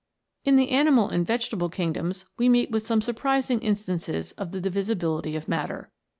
In the animal and vegetable kingdoms we meet with some surprising instances of the divisibility of matter.